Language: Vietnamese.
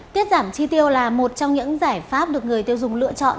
tiết giảm chi tiêu là một trong những giải pháp được người tiêu dùng lựa chọn